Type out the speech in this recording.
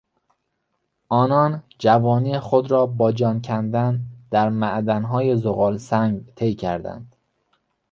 آنان جوانی خود را با جان کندن در معدنهای زغالسنگ طی کردند.